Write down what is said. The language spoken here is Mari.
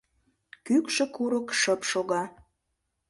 Кӱкшӧ курык шып шога.